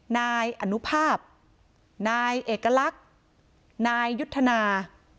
นายอนุภาพนายเอกลักษณ์นายยุทธนา